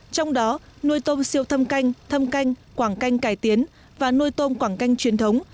trong đó nuôi tôm siêu thâm canh thâm canh quảng canh cải tiến và nuôi tôm quảng canh truyền thống